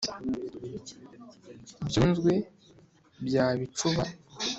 byunzwe bya bicuba,